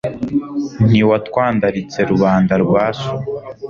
Ntiwatwandaritse Rubanda rwa so.